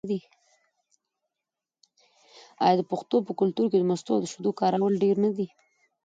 آیا د پښتنو په کلتور کې د مستو او شیدو کارول ډیر نه دي؟